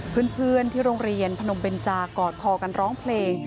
เพื่อนที่โรงเรียนพนมเบนจากอดคอกันร้องเพลง